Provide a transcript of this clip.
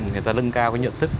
người ta lâng cao cái nhận thức